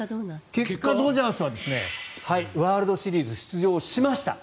結果、ドジャースはワールドシリーズ出場しました。